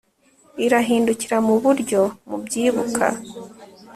irahindukira mu buryo mubyibuka